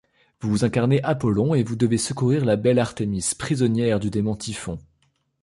Vous incarnez Apollon et vous devez secourir la belle Artémis, prisonnière du démon Typhon.